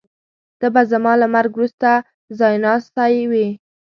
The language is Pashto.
ته به زما له مرګ وروسته ځایناستی وې.